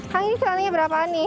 kan ini celananya berapa nih